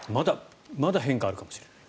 まだ変化があるかもしれない。